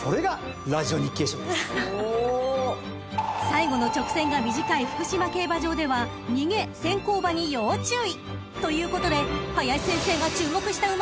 ［最後の直線が短い福島競馬場では逃げ・先行馬に要注意ということで林先生が注目した馬は］